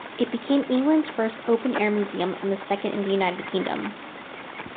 It became England's first open-air museum and the second in the United Kingdom.